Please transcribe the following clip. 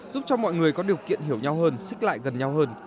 giúp cho mọi người có điều kiện hiểu nhau hơn xích lại gần nhau hơn